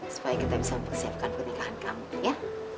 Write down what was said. supaya kita bisa persiapkan pernikahan kamu ya